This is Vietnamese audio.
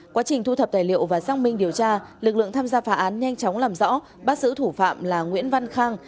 quá trình thu thập tài liệu và xác minh điều tra lực lượng tham gia phá án nhanh chóng làm rõ bắt giữ thủ phạm là nguyễn văn khang